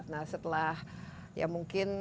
nah setelah ya mungkin